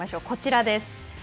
こちらです。